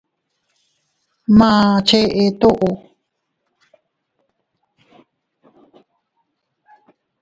Ma cheʼe toʼo.